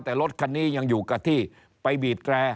แต่รถคันนี้ยังอยู่กับที่ไปบีดแร่